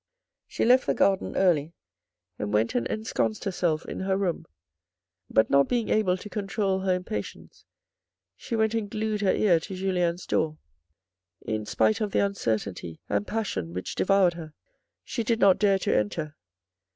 She left the garden early and went and ensconced herself in her room, but not being able tc control her impatience, she went and glued her ear to Julien's door. In spite of the uncertainty and passion which devoured her, she did not dare to enter.